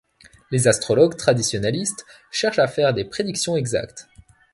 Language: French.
Les astrologues traditionalistes cherchent à faire des prédictions exactes.